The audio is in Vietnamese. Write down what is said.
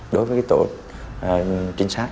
đối với tội trinh sát